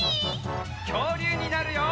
きょうりゅうになるよ！